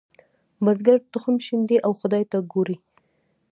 بزګر تخم شیندي او خدای ته ګوري.